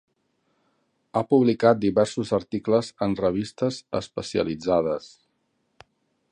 Ha publicat diversos articles en revistes especialitzades.